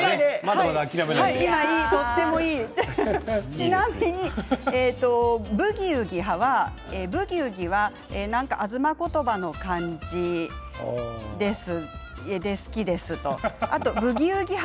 ちなみに頭高の「ブギウギ」派は東言葉の感じです。